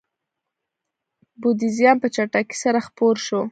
بودیزم په چټکۍ سره خپور شو.